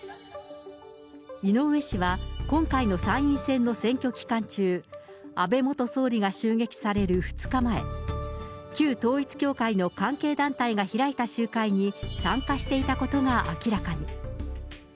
井上氏は、今回の参院選の選挙期間中、安倍元総理が襲撃される２日前、旧統一教会の関係団体が開いた集会に参加していたことが明らかに。